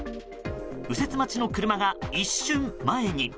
右折待ちの車が一瞬、前に。